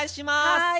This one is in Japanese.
はい。